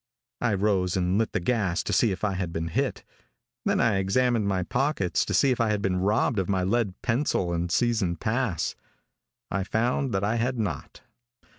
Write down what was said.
I rose and lit the gas to see if I had been hit. Then I examined my pockets to see if I had been robbed of my led pencil and season pass. I found that I had not.